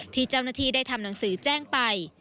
ที่เจ้าหน้าที่ได้ทำหนังสือแจ้งไป